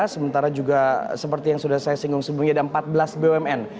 sementara juga seperti yang sudah saya singgung sebelumnya ada empat belas bumn